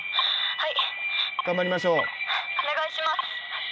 はい。